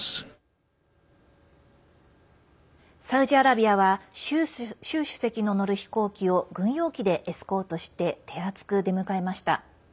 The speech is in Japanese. サウジアラビアは習主席の乗る飛行機を軍用機でエスコートして手厚く出迎えました。